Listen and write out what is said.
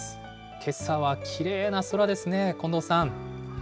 けさはきれいな空ですね、近藤さん。